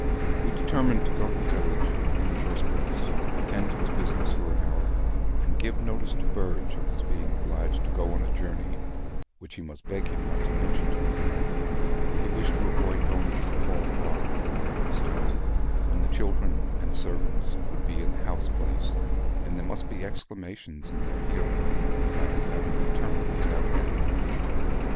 He determined to go to the village, in the first place, attend to his business for an hour, and give notice to Burge of his being obliged to go on a journey, which he must beg him not to mention to any one; for he wished to avoid going to the Hall Farm near breakfast time, when the children and servants would be in the house place, and there must be exclamations in their hearing about his having returned without Hetty.